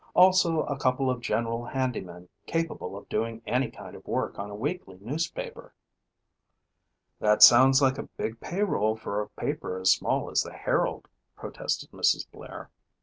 Also a couple of general handymen capable of doing any kind of work on a weekly newspaper." "That sounds like a big payroll for a paper as small as the Herald," protested Mrs. Blair.